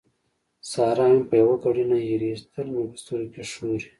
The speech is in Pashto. سارا مې په يوه ګړۍ نه هېرېږي؛ تل مې په سترګو کې ښوري.